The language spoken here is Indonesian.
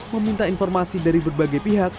meminta informasi dari berbagai pihak